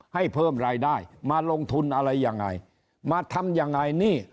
ให้เพิ่มรายได้มาลงทุนอะไรยังไงมาทำยังไงนี่